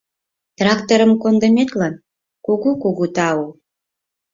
— Тракторым кондыметлан — кугу-кугу тау!